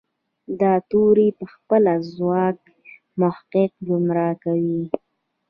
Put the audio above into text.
دا توری پخپله ځوان محققین ګمراه کوي.